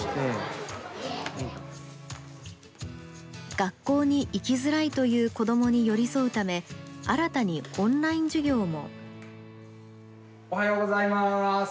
学校に行きづらいという子どもに寄り添うため、新たにオンライン授業も。